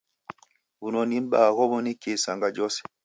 W'unoni m'baa ghwaw'onekie isanga jose.